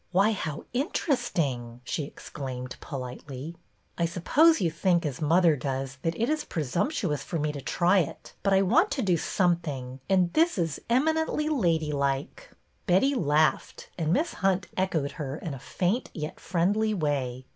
'' Why, how interesting !" she exclaimed po litely. I suppose you think, as mother does, that it is presumptuous for me to try it, but I want to do something, and this is —" eminently lady like '!" "MY MOTHER'S JOURNAL" 23 Betty laughed, and Miss Hunt echoed her in a faint yet friendly way.